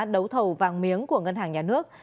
đấu thầu vàng miếng của ngân hàng nhà nước